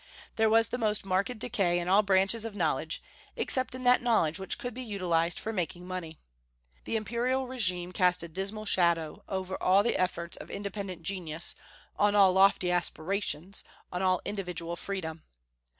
There was the most marked decay in all branches of knowledge, except in that knowledge which could be utilized for making money. The imperial régime cast a dismal shadow over all the efforts of independent genius, on all lofty aspirations, on all individual freedom.